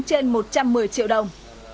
một trăm một mươi triệu đồng